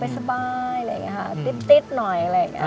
สบายติ๊ดหน่อย